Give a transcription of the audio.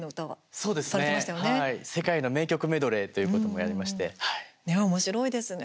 そうですね、はい世界の名曲メドレーということもおもしろいですね。